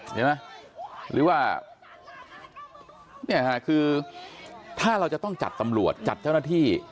หรือว่าถ้าเราจะต้องจัดตำรวจจัดเจ้าหน้าที่